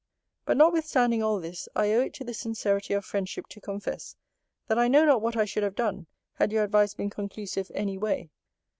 But notwithstanding all this, I owe it to the sincerity of friendship to confess, that I know not what I should have done, had your advice been conclusive any way.